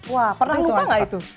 wah pernah lupa nggak itu